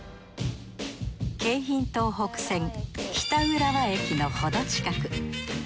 京浜東北線北浦和駅の程近く。